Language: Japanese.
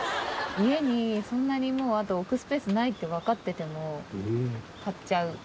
家に、そんなにもう置くスペースないって分かってても、買っちゃう。